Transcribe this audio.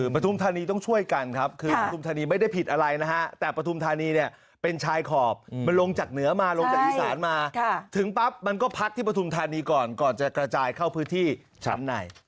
ประทุมธานีต้องช่วยกันอาทุมธานีไม่ได้ผิดอะไรนะฮะ